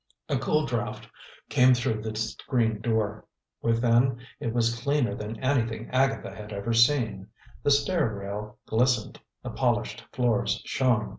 A cool draft came through the screen door. Within, it was cleaner than anything Agatha had ever seen. The stair rail glistened, the polished floors shone.